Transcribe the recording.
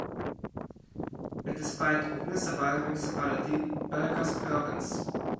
It is part of Nesebar municipality, Burgas Province.